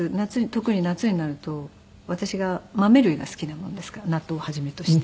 特に夏になると私が豆類が好きなものですから納豆を始めとして。